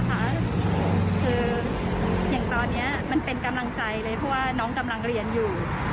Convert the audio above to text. คืออย่างตอนนี้มันเป็นกำลังใจเลยเพราะว่าน้องกำลังเรียนอยู่